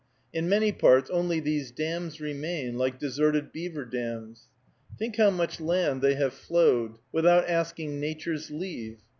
In many parts, only these dams remain, like deserted beaver dams. Think how much land they have flowed, without asking Nature's leave!